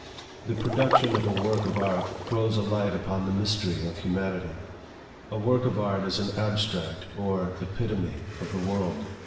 The production of a work of art throws a light upon the mystery of humanity. A work of art is an abstract or epitome of the world.